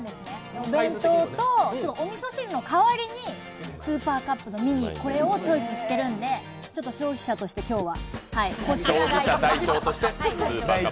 お弁当と、おみそ汁の代わりにスーパーカップミニをチョイスしているので消費者として、今日は。